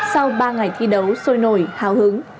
sau ba ngày thi đấu sôi nổi hào hứng